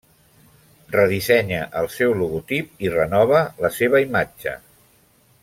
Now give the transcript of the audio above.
Redissenya el seu logotip i renova la seva imatge.